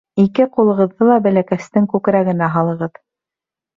Ике ҡулығыҙҙы ла бәләкәстең күкрәгенә һалығыҙ.